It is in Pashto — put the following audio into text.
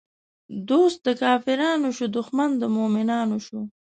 دوست د کافرانو شو، دښمن د مومنانو شو